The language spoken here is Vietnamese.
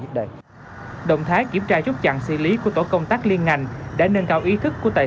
trước đây động thái kiểm tra rút chặn xử lý của tổ công tác liên ngành đã nâng cao ý thức của tài